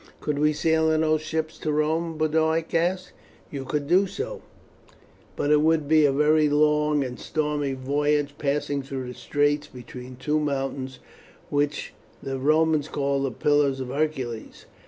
"Could we sail in these ships to Rome?" Boduoc asked. "You could do so, but it would be a very long and stormy voyage passing through the straits between two mountains which the Romans call the Pillars of Hercules.